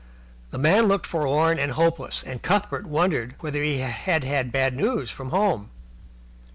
The man looked forlorn and hopeless, and Cuthbert wondered whether he had had bad news from home.